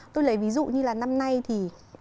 tôi lấy ví dụ như là năm nay thì